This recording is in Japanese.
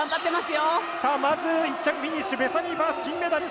まず１着フィニッシュベサニー・ファース、金メダル。